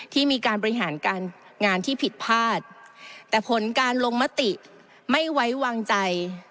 ที่มีการบริหารการงานที่ผิดพลาดแต่ผลการลงมติไม่ไว้วางใจ